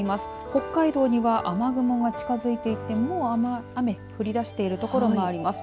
北海道には雨雲が近づいていてもう雨、降り出している所もあります。